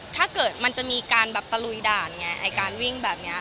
ถ้าเกิดมันจะมีการแบบตะลุยด่านไงไอ้การวิ่งแบบนี้